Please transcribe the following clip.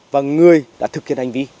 và người đã thực hiện hành vi